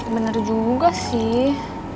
bener juga sih